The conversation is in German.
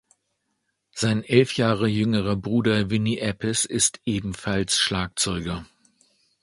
Sein elf Jahre jüngerer Bruder Vinny Appice ist ebenfalls Schlagzeuger.